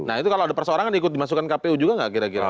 nah itu kalau ada perseorangan ikut dimasukkan kpu juga nggak kira kira